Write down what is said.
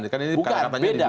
bukan beda kan